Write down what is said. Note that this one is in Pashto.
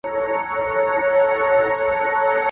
هغه زه یم چي په غېږ کي افلاطون مي دی روزلی ..